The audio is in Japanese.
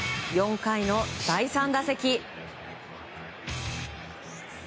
４回の第３打席。